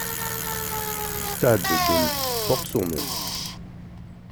Le stade de l' porte son nom.